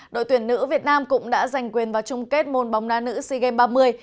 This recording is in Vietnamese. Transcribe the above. đội tuyển nữ việt nam cũng đã giành quyền vào chung kết môn bóng đá nữ sea games ba mươi